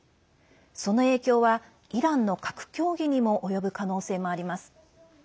その影響はイランの核協議にも及ぶ可能性もあります。